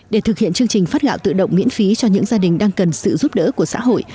để thực hiện chương trình phát gạo tự động miễn phí cho những gia đình đang cần sự giúp đỡ của xã hội